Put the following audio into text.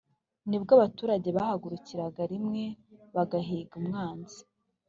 nibwo abaturage bahagurukiraga rimwe bagahiga umwanzi,